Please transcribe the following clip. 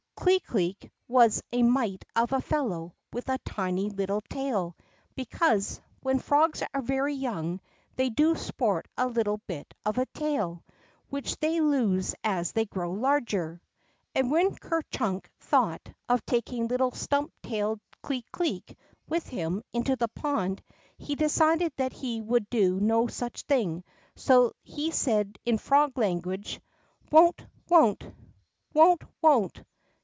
Clee Cleek was a mite of a fellow with a tiny little tale, because, when frogs are very young, they do sport a little hit of a tail, which they lose as they grow larger. And when Ker Chunk thought of taking little stump tailed Clee Cleek with him into the pond, he decided that he would do no such thing, so he said in frog language, Won't — won't ! Won't — won't